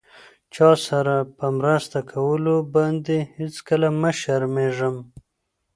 چاسره په مرسته کولو باندې هيڅکله مه شرميږم!